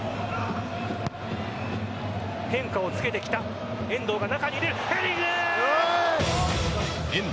変化をつけてきた遠藤が中にいるヘディング。